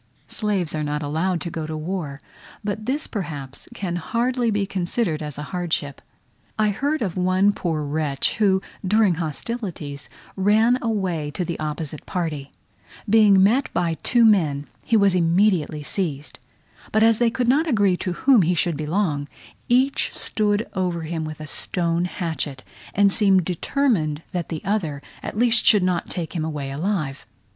Slaves are not allowed to go to war; but this perhaps can hardly be considered as a hardship. I heard of one poor wretch who, during hostilities, ran away to the opposite party; being met by two men, he was immediately seized; but as they could not agree to whom he should belong, each stood over him with a stone hatchet, and seemed determined that the other at least should not take him away alive.